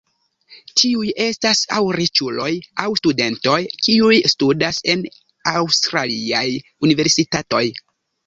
Tiuj estas aŭ riĉuloj aŭ studentoj, kiuj studas en aŭstraliaj universitatoj.